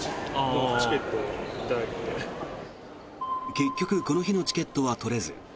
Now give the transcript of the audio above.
結局この日のチケットは取れず。